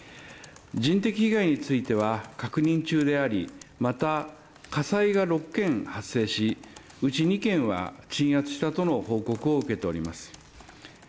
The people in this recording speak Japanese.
人的被害については確認中であり、また、火災が６件発生し、うち２件は、鎮圧したとの報告を受けております。